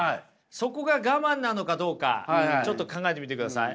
そこが我慢なのかどうかちょっと考えてみてください。